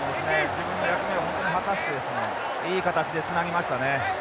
自分の役割を果たしてですねいい形でつなぎましたね。